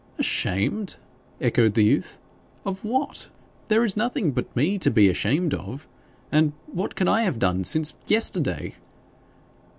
'Ashamed!' echoed the youth. 'Of what? There is nothing but me to be ashamed of, and what can I have done since yesterday?'